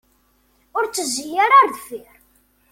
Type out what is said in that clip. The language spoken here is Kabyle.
Ur ttezzi ara ar deffir.